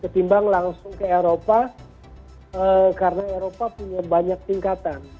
ketimbang langsung ke eropa karena eropa punya banyak tingkatan